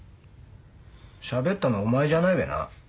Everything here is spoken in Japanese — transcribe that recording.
喋ったのお前じゃないべな？